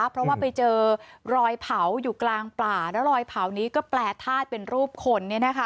เพราะว่าไปเจอรอยเผาอยู่กลางป่าแล้วรอยเผานี้ก็แปลธาตุเป็นรูปคน